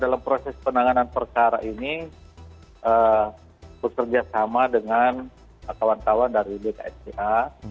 dalam proses penanganan perkara ini berserjasama dengan kawan kawan dari dksca